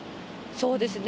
そうですね。